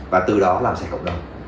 và từ đó làm sạch cộng đồng